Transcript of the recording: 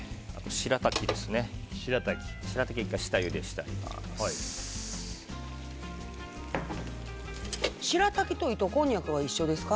しらたきは１回、下ゆでしてあります。